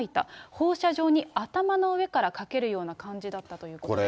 放射状に頭の上からかけるような感じだったということです。